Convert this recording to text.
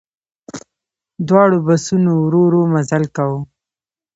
دواړو بسونو ورو ورو مزل کاوه.